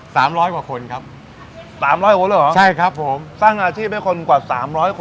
ร้อยกว่าคนครับสามร้อยคนเลยเหรอใช่ครับผมสร้างอาชีพให้คนกว่าสามร้อยคน